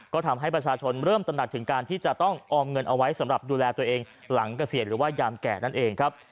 ก็ทำให้ประชาชนเริ่มตระหนักถึงการที่จะต้องออมเงินเอาไว้สำหรับดูแลตัวเองหลังเกษียณหรือว่ายามแก่นั่นเองครับ